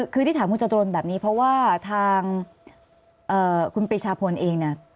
คือที่ถามคุณจตุรนแบบนี้เพราะว่าทางคุณปีชาพลเองเนี่ย